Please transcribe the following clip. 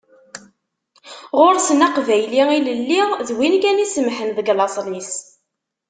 Ɣur-sen "Aqbayli ilelli" d win kan isemmḥen deg laṣel-is.